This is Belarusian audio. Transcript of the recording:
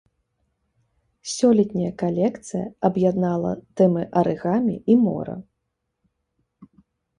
Сёлетняя калекцыя аб'яднала тэмы арыгамі і мора.